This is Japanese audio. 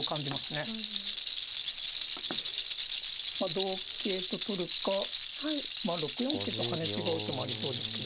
同桂と取るか６四桂と跳ね違う手もありそうですけど。